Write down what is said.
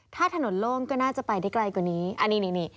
ถ้าถนนโล่งก็น่าจะไปได้ไกลกว่านี้